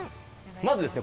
まずですね